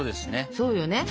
そうよね。